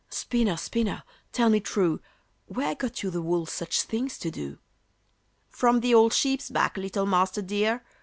"Spinner, spinner, tell me true, Where got you the wool such things to do?" "From the old sheep's back, little Master dear!